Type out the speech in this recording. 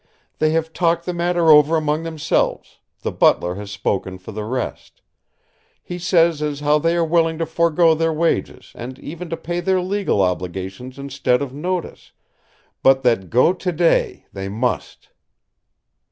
They have talked the matter over among themselves; the butler has spoken for the rest. He says as how they are willing to forego their wages, and even to pay their legal obligations instead of notice; but that go today they must."